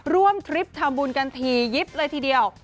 ทริปทำบุญกันถี่ยิบเลยทีเดียว